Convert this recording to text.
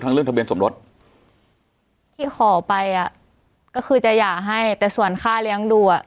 เรื่องทะเบียนสมรสที่ขอไปอ่ะก็คือจะหย่าให้แต่ส่วนค่าเลี้ยงดูอ่ะ